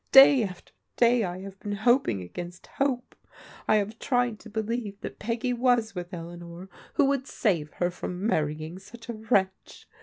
Day after day I have been hoping against hope. I have tried to believe that Peggy was with Elea nor, who would save her from marrying such a wretch.